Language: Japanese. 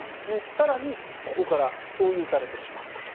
更にここから共有されてしまったと。